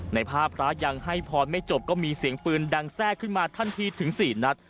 ในภาพพระยังให้พรไม่จบก็มีเสียงปืนดังแทรกขึ้นมาทันทีถึง๔นัด